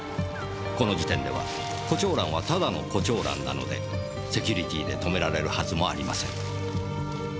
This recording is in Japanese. この時点では胡蝶蘭はただの胡蝶蘭なのでセキュリティーで止められるはずもありません。